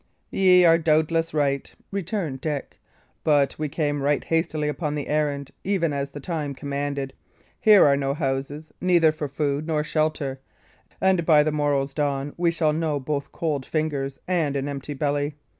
"Ye are, doubtless, right," returned Dick; "but we came right hastily upon the errand, even as the time commanded. Here are no houses, neither for food nor shelter, and by the morrow's dawn we shall know both cold fingers and an empty belly.